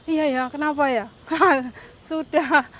iya kenapa ya sudah